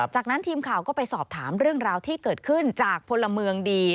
จากนั้นทีมข่าวก็ไปสอบถามเรื่องราวที่เกิดขึ้นจากพลเมืองดี